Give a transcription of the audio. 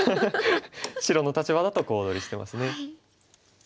白の立場だと小躍りしてますね。